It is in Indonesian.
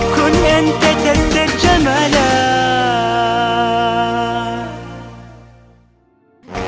kunyente tenjen jemelah